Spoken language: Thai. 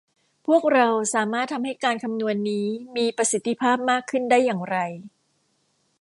พวกเราสามารถทำให้การคำนวณนี้มีประสิทธิภาพมากขึ้นได้อย่างไร